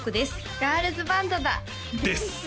ガールズバンドだです